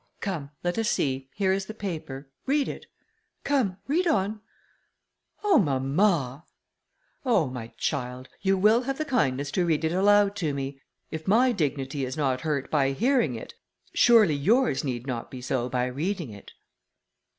Come, let us see, here is the paper, read it..., come, read on." "Oh! mamma." "Oh! my child, you will have the kindness to read it aloud to me; if my dignity is not hurt by hearing it, surely yours need not be so by reading it."